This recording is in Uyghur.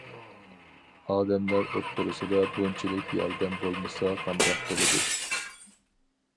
ئادەملەر ئوتتۇرىسىدا بۇنچىلىك ياردەم بولمىسا قانداق بولىدۇ.